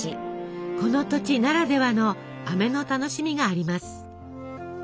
この土地ならではのあめの楽しみがあります。